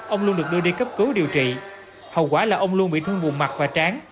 ông luân được đưa đi cấp cứu điều trị hậu quả là ông luân bị thương vùng mặt và tráng